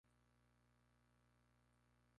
Se ha retirado.